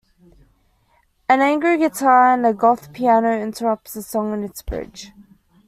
An "angry guitar" and a "goth piano" interrupts the song in its bridge.